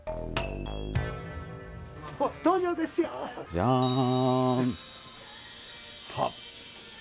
じゃーん。